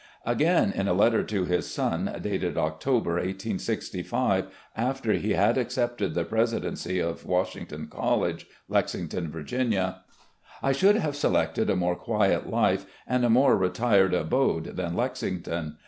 ..." Again in a letter to his son, dated October, 1865, after he had accepted the presidency of Washington College, Lexington, Virginia: " I should have selected a more quiet life and a more SERVICES IN THE ARMY 21 retired abode than Lexington.